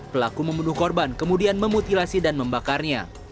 pelaku membunuh korban kemudian memutilasi dan membakarnya